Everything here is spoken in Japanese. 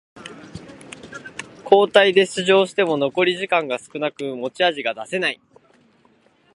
交代で出場しても残り時間が少なく持ち味が出せない